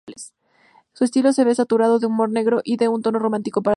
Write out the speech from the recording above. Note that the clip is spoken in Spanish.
Su estilo se ve saturado de humor negro y de un tono romántico patriota.